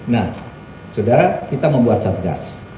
nah sudah kita membuat sadgas